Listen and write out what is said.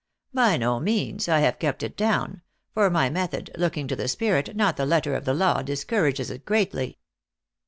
" By no means ; I have kept it down ; for my method, looking to the spirit, not the letter of the law, discourages it greatly."